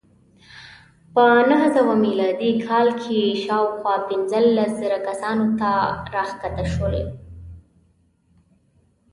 په نهه سوه میلادي کال کې شاوخوا پنځلس زره کسانو ته راښکته شول